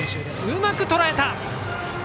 うまくとらえた！